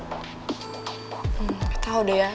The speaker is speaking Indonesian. gak tau deh ya